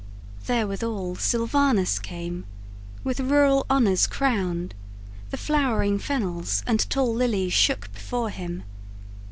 "Therewithal Silvanus came, with rural honours crowned; The flowering fennels and tall lilies shook Before him.